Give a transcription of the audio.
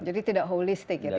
jadi tidak holistik ya